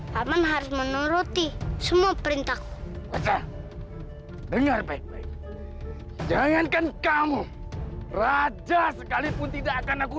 paman harus menuruti semua perintah ku enggak baik baik jangankan kamu raja sekalipun tidak akan aku